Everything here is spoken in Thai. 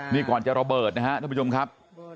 นี่ก่อนจะระเบิดนะครับท่านผู้ชมครับ